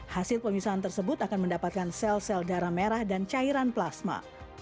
hasil pemisahan tersebut akan mendapatkan sel sel darah merah dan cairan plasma